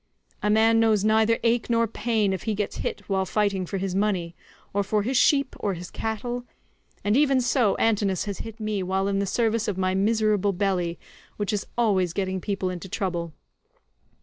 A man knows neither ache nor pain if he gets hit while fighting for his money, or for his sheep or his cattle; and even so Antinous has hit me while in the service of my miserable belly, which is always getting people into trouble.